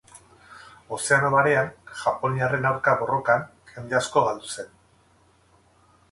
Ozeano Barean, japoniarren aurka borrokan, jende asko galdu zen.